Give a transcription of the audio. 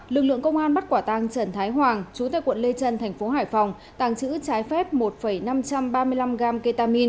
lực lượng công an bắt quả tàng trần thái hoàng chú tại quận lê trân thành phố hải phòng tàng trữ trái phép một năm trăm ba mươi năm gram ketamine